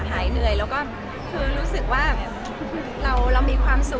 หายเหนื่อยแล้วก็คือรู้สึกว่าเรามีความสุข